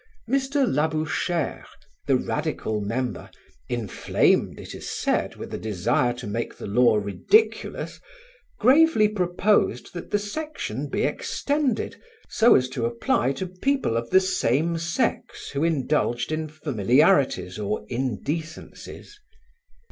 Mr. Labouchere, the Radical member, inflamed, it is said, with a desire to make the law ridiculous, gravely proposed that the section be extended, so as to apply to people of the same sex who indulged in familiarities or indecencies.